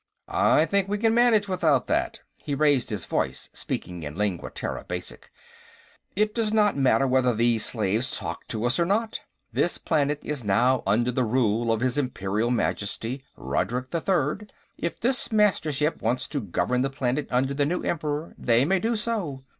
"I think we can manage without that." He raised his voice, speaking in Lingua Terra Basic: "It does not matter whether these slaves talk to us or not. This planet is now under the rule of his Imperial Majesty, Rodrik III. If this Mastership wants to govern the planet under the Emperor, they may do so.